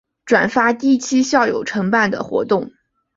转发第一期校友承办的活动